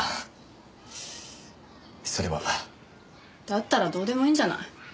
だったらどうでもいいんじゃない？